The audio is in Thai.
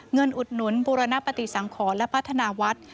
อุดหนุนบูรณปฏิสังขรและพัฒนาวัด